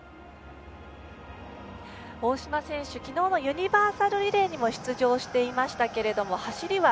大島選手、昨日はユニバーサルリレーにも出場していましたが、走りは。